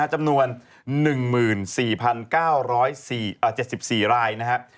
จำนวน๑๔๙๗๔รายนะครับ